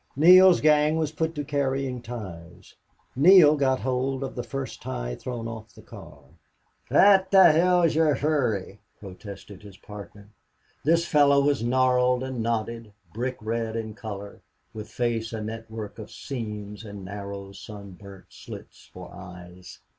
Neale's gang was put to carrying ties. Neale got hold of the first tie thrown off the car. "Phwat the hell's ye're hurry!" protested his partner. This fellow was gnarled and knotted, brick red in color, with face a network of seams, and narrow, sun burnt slits for eyes.